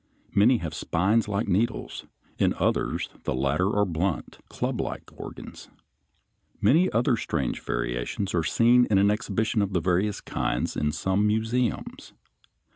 Many have spines like needles; in others the latter are blunt, clublike organs. Many other strange variations are seen in an exhibition of the various kinds in some museums.